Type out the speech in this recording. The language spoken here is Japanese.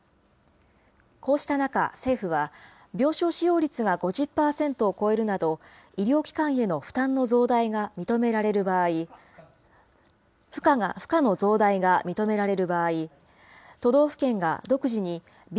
こうした中、政府は病床使用率が５０％を超えるなど、医療機関への負担の増大が認められる場合、負荷の増大が認められる場合、都道府県が独自にＢＡ．